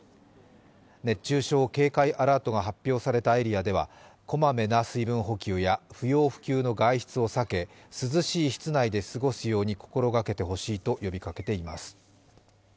熱中症警戒アラートが発表されたエリアではこまめな水分補給や不要不急の外出を避け涼しい室内で過ごすように心がけてほしいと呼びかけています。